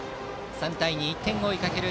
３対２、１点を追いかける